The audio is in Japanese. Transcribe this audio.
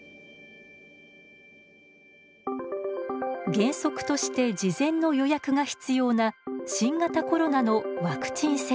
原則として事前の予約が必要な新型コロナのワクチン接種。